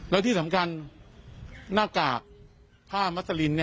แล้วที่สำคัญหน้ากากผ้ามัสลิน